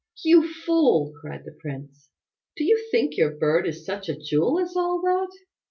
"You fool!" cried the Prince; "do you think your bird is such a jewel as all that?"